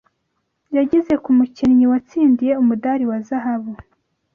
yagize ku mukinnyi watsindiye umudari wa zahabu